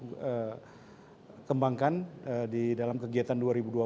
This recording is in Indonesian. kita kembangkan di dalam kegiatan dua ribu dua puluh